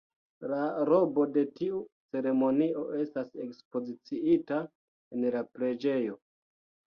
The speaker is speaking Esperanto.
La robo de tiu ceremonio estas ekspoziciita en la preĝejo.